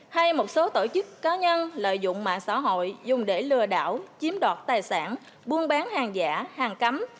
hay một số tổ chức cá nhân lợi dụng mạng xã hội dùng để lừa đảo chiếm đoạt tài sản buôn bán hàng giả hàng cấm